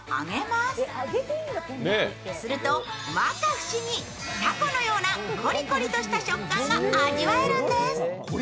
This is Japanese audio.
すると、摩訶不思議、たこのようなコリコリとした食感が味わえるんです。